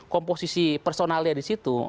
komposisi personalnya di situ